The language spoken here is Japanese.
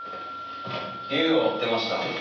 優を追ってました。